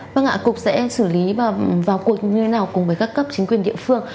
vâng ạ cục sẽ xử lý và vào cuộc như thế nào cùng với các cấp chính quyền địa phương